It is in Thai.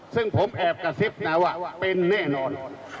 ซึ่งผมแอบกระซิบนะว่าเป็นแน่นอน